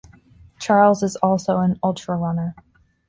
Charles is also an ultrarunner.